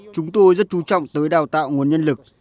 chúng tôi rất chú trọng tới đào tạo nguồn nhân lực